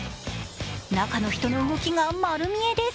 中の人の動きが丸見えです。